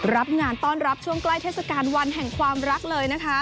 รับงานต้อนรับช่วงใกล้เทศกาลวันแห่งความรักเลยนะคะ